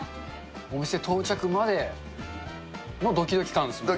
お店到着までどきどき感ですもんね。